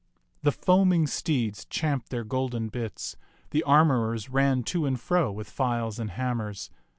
The foaming steeds champed their golden bits, the armorers ran to and fro with files and hammers.